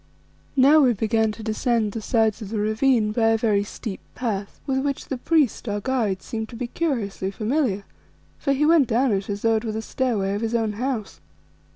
Now we began to descend the sides of the ravine by a very steep path, with which the priest, our guide, seemed to be curiously familiar, for he went down it as though it were the stairway of his own house.